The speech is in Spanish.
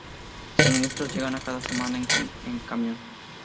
Suministros llegan cada semana en camión.